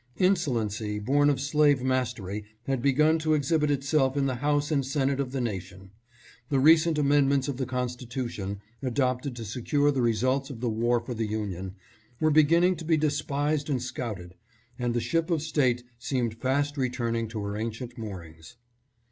Insolency born of slave mastery had begun to exhibit itself in the House and Senate of the nation. The recent amendments of the Constitution, adopted to secure the results of the war for the Union, were begin ning to be despised and scouted, and the ship of state seemed fast returning to her ancient moorings.